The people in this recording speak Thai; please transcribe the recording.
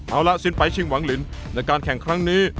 เอาล่ะสินไปชิงหวังลินในการแข่งครั้งนี้